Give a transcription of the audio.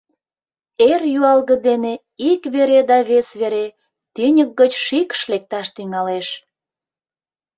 Эр юалге дене ик вере да вес вере тӱньык гыч шикш лекташ тӱҥалеш.